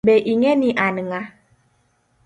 Be ing'e ni an ng'a?